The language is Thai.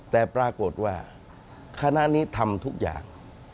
แต่ปรากฏว่าคณะนี้ทำทุกอย่าง